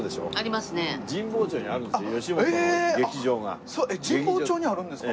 あっ神保町にあるんですか？